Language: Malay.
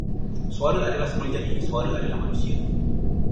Suara adalah semulajadi, suara adalah manusia.